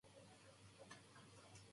愛してるといった。